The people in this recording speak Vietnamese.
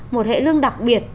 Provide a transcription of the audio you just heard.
một hệ lương đặc biệt